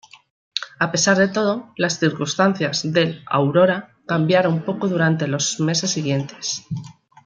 A pesar de todo, las circunstancias del "Aurora" cambiaron poco durante los meses siguientes.